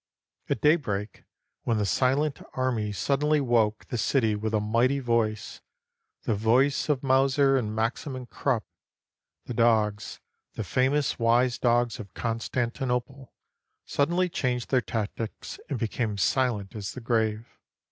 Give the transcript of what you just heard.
At daybreak, when the Silent Army suddenly woke the city with a mighty voice, — the voice of Mauser and Maxim and Krupp, — the dogs, the famous, wise dogs of Constantinople suddenly changed their tactics and be came silent as the grave.